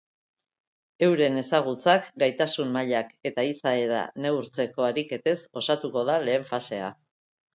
Euren ezagutzak, gaitasun-mailak eta izaera neurtzeko ariketez osatuko da lehen fasea.